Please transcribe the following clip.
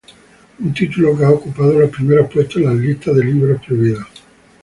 Un título que ha ocupado los primeros puestos en la lista de Libros Prohibidos.